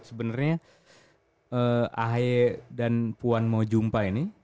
sebenarnya ahy dan puan mojumpa ini